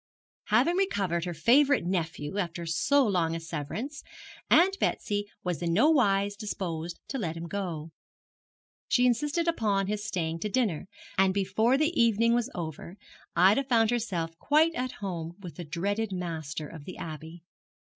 Having recovered her favourite nephew, after so long a severance, Aunt Betsy was in no wise disposed to let him go. She insisted upon his staying to dinner; and before the evening was over Ida found herself quite at home with the dreaded master of the Abbey.